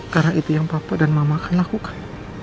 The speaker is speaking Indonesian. karena itu yang papa dan mama akan lakukan